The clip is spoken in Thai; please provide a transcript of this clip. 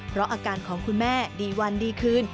เพราะอาการของคุณแม่ดีวันดีคืน